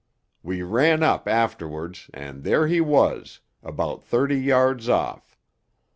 We ran up afterwards, and there he was, about thirty yards off....